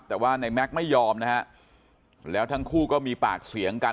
แต่ว่าในแม็กซ์ไม่ยอมนะฮะแล้วทั้งคู่ก็มีปากเสียงกัน